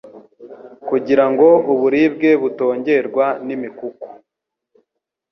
kugira ngo uburibwe butongerwa n'imikuku,